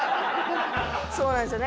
そうなんですよね。